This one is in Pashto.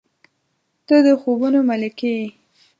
• ته د خوبونو ملکې یې.